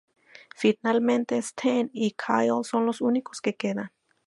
Finalmente, Stan y Kyle son los únicos que quedan.